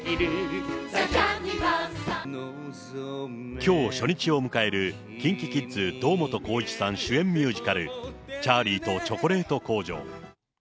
きょう初日を迎える、ＫｉｎＫｉＫｉｄｓ・堂本光一さん主演ミュージカル、チャーリーとチョコレート工場。